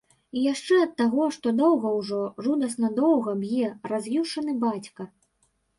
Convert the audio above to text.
І яшчэ ад таго, што доўга ўжо, жудасна доўга б'е раз'юшаны бацька.